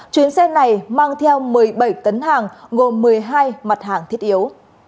chuyến xe này mang theo một mươi bảy tấn hàng gồm một mươi hai mặt hàng thiết yếu